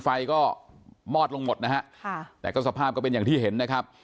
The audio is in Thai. ไฟก็มอดลงหมดนะฮะค่ะแต่ก็สภาพก็เป็นอย่างที่เห็นนะครับ